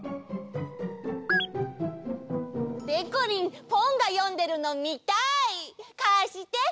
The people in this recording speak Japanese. でこりんポンがよんでるのみたい！かして。